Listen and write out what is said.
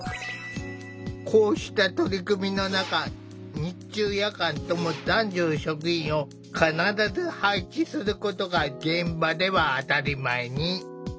こうした取り組みの中日中夜間とも男女の職員を必ず配置することが現場では当たり前に。